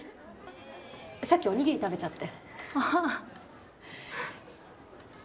さっき、お握り食べちゃって。